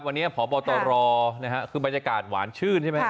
วันนี้ขอบอกต่อรอนะครับคือบรรยากาศหวานชื่นใช่ไหม